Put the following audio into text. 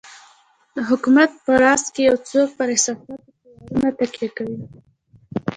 د حکومت په راس کې یو څوک پر احساساتي شعارونو تکیه کوي.